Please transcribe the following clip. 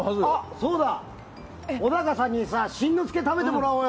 そうだ、小高さんに新之助、食べてもらおうよ。